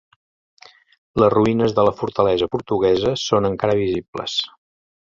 Les ruïnes de la fortalesa portuguesa són encara visibles.